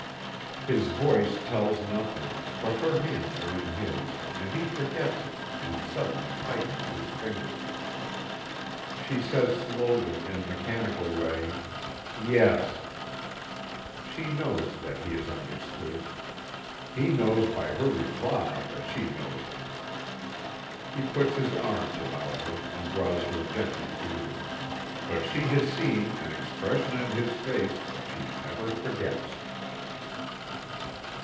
His voice tells nothing, but her hands are in his, and he forgets it and suddenly tightens his fingers. She says slowly, in a mechanical way: "Yes." She knows that he has understood. He knows by her reply that she knows it. He puts his arms about her, and draws her gently to him but she has seen an expression in his face that she never forgets.